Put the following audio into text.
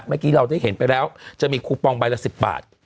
เมื่อกี้เราได้เห็นไปแล้วจะมีคูปองใบละ๑๐บาท